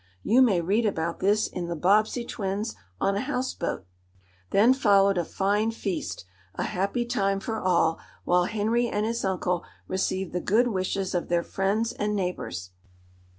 You may read about this in "The Bobbsey Twins on a Houseboat." Then followed a fine feast a happy time for all, while Henry and his uncle received the good wishes of their friends and neighbors.